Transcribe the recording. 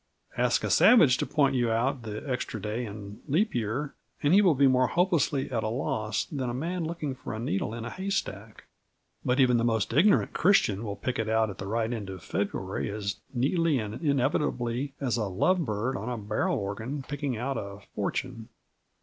Ask a savage to point you out the extra day in Leap Year, and he will be more hopelessly at a loss than a man looking for a needle in a haystack, but even the most ignorant Christian will pick it out at the right end of February as neatly and inevitably as a love bird on a barrel organ picking out a fortune.